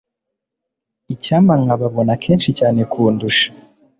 icyampa nkababona kenshi cyane kundusha